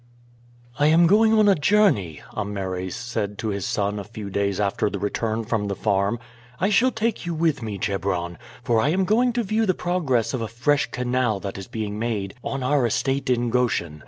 "I am going on a journey," Ameres said to his son a few days after the return from the farm. "I shall take you with me, Chebron, for I am going to view the progress of a fresh canal that is being made on our estate in Goshen.